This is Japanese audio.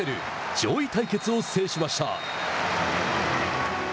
上位対決を制しました。